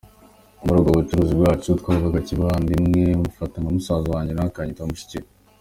Muri ubwo bucuruzi bwacu twabanaga kivandimwe mufata nka musaza wanjye nawe akanyita mushiki we.